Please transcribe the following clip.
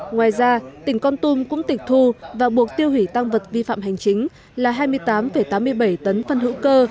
ngoài ra tỉnh con tum cũng tịch thu và buộc tiêu hủy tăng vật vi phạm hành chính là hai mươi tám tám mươi bảy tấn phân hữu cơ